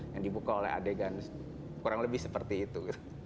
yang dibuka oleh adegan kurang lebih seperti itu